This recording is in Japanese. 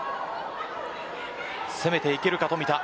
攻めていけるか冨田。